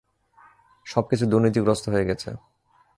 সবকিছু দুর্নীতিগ্রস্ত হয়ে গেছে।